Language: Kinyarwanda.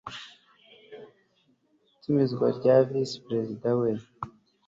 itumizwa na Visi Perezida we